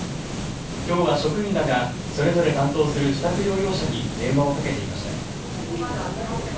きょうは職員らがそれぞれ担当する自宅療養者に電話をかけていました。